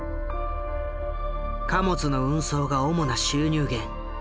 貨物の運送が主な収入源。